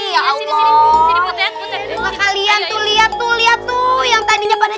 ya allah kalian lihat tuh lihat tuh yang tadinya pada